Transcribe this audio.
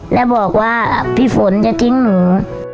แล้วบอกว่าพี่ฝนจะทิ้งหนู